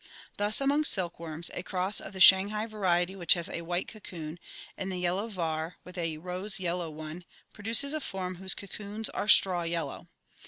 Thus among silk worms, a cross of the Shanghai variety which has a white cocoon, and the Yellow Var with a rose yellow one pro duces a form whose cocoons are straw yellow.